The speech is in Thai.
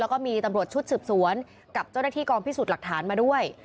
แล้วก็มีตำรวจชุดสืบสวนกับเจ้าหน้าที่กองพิสูจน์หลักฐานมาด้วย